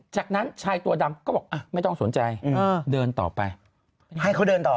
จากนั้นชายตัวดำก็บอกไม่ต้องสนใจเดินต่อไปให้เขาเดินต่อ